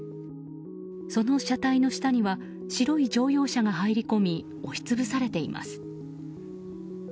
その車体の下には白い乗用車が入り込み押し潰されています。